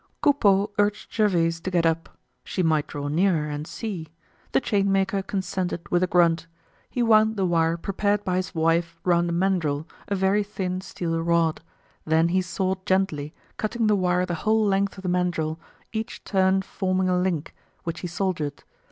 Coupeau urged Gervaise to get up. She might draw nearer and see. The chainmaker consented with a grunt. He wound the wire prepared by his wife round a mandrel, a very thin steel rod. Then he sawed gently, cutting the wire the whole length of the mandrel, each turn forming a link, which he soldered.